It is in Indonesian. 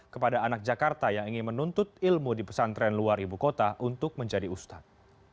kepada anak jakarta yang ingin menuntut ilmu di pesantren luar ibu kota untuk menjadi ustadz